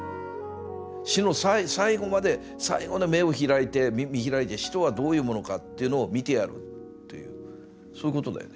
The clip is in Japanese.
死の最期まで目を開いて見開いて死とはどういうものかっていうのを見てやるというそういうことだよね。